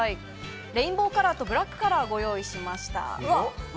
レインボーカラーとブラックカラーをご用意しました。